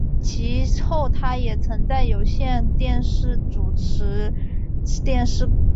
其后他也曾在有线电视主持电视节目。